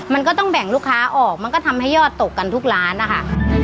มันก็ต้องแบ่งลูกค้าออกมันก็ทำให้ยอดตกกันทุกร้านนะคะ